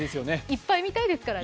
いっぱい見たいですからね。